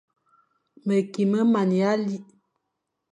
Meki me mana likh.